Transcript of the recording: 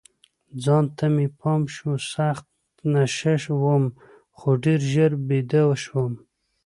ځان ته مې پام شو، سخت نشه وم، خو ډېر ژر بیده شوم.